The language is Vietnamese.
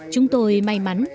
chúng tôi may mắn